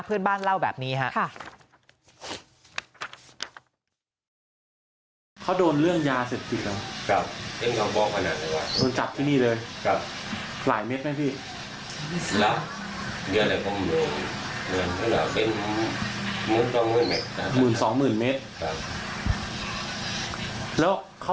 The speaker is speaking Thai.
เพื่อนบ้านเล่าแบบนี้ครับ